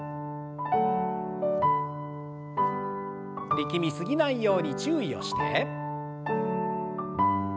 力み過ぎないように注意をして。